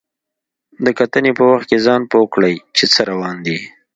د کتنې په وخت کې ځان پوه کړئ چې څه روان دي.